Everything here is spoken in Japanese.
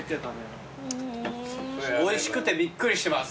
おいしくてびっくりしてます。